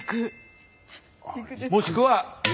もしくは床。